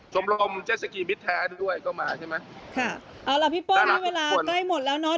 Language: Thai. กรมเจ็ดสกีมิตรแท้ด้วยก็มาใช่ไหมค่ะเอาล่ะพี่เปิ้ลนี่เวลาใกล้หมดแล้วเนอะ